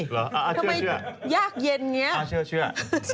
เหรออ่าเชื่ออ่าเชื่ออย่างนี้ยากเย็น